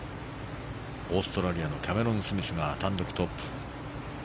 オーストラリアのキャメロン・スミスが単独トップ。